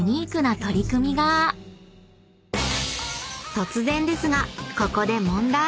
［突然ですがここで］